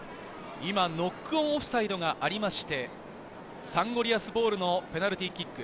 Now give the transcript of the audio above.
ノックオンオフサイドがありまして、サンゴリアスボールのペナルティーキック。